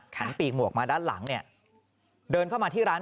เดินเข้ามาที่ร้านเมื่อฮะแล้วจะรู้สึกว่ามีการทำอะไรขึ้นอยู่นี่นะครับ